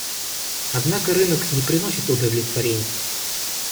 Однако рынок не приносит удовлетворения.